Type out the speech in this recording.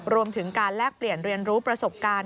รวมถึงการแลกเปลี่ยนเรียนรู้ประสบการณ์